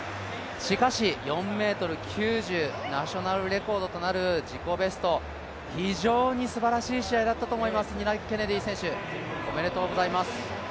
しかし、４ｍ９０、ナショナルレコードとなる自己ベスト、非常にすばらしい試合だったと思います、ニナ・ケネディ選手、おめでとうございます。